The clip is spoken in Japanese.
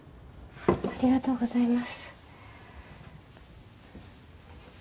ありがとうございます。